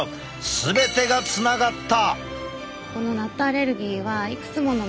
全てがつながった！